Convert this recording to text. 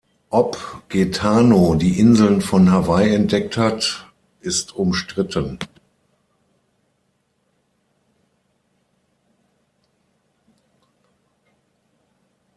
Ob Gaetano die Inseln von Hawaii entdeckt hat, ist umstritten.